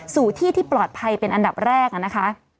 สู่ที่ที่ปลอดภัยเป็นอันดับแรกนะคะ